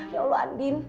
ya allah andin